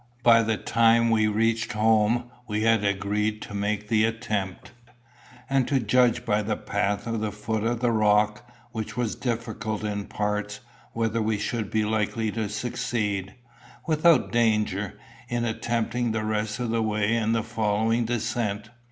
By the time we reached home we had agreed to make the attempt, and to judge by the path to the foot of the rock, which was difficult in parts, whether we should be likely to succeed, without danger, in attempting the rest of the way and the following descent.